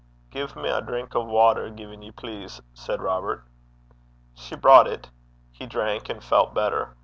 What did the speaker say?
'Gie me a drink o' water, gin ye please,' said Robert. She brought it. He drank, and felt better.